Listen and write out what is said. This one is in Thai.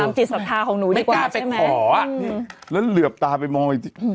สำจิตศัพท์ทาของหนูดีกว่าใช่ไหมอืมเริ่มเหลือบตาไปมอง